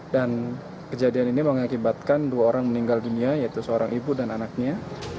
dan kejadian ini mengakibatkan dua orang meninggal dunia yaitu seorang ibu dan anaknya